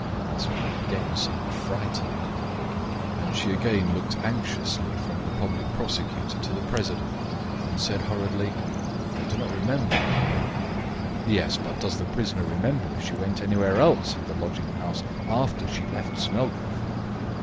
Maslova again seemed frightened, and she again looked anxiously from the public prosecutor to the president, and said hurriedly: "I do not remember how long." "Yes, but does the prisoner remember if she went anywhere else in the lodging house after she left Smelkoff?"